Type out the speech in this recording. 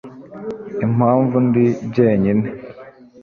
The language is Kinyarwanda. Impamvu ndi jyenyine